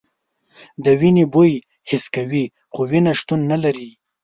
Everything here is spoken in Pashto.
د وینې بوی حس کوي خو وینه شتون نه لري.